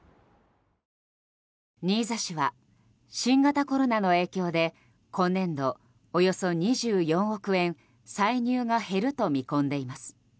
新座市は、新型コロナの影響で今年度、およそ２４億円歳入が減ると見込んでいます。